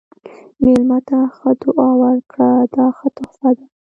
مېلمه ته ښه دعا ورکړه، دا ښه تحفه ده.